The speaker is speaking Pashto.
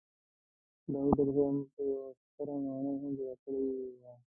داود علیه السلام دلته یوه ستره ماڼۍ هم جوړه کړې وه.